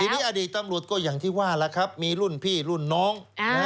ทีนี้อดีตตำรวจก็อย่างที่ว่าล่ะครับมีรุ่นพี่รุ่นน้อง